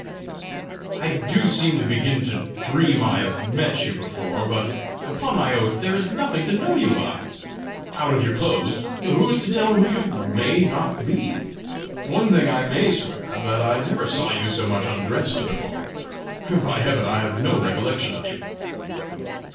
"I do seem to begin to dream I have met you before, but, upon my oath, there is nothing to know you by! Out of your clothes, who is to tell who you may not be? One thing I MAY swear that I never saw you so much undressed before! By heaven, I have no recollection of you!"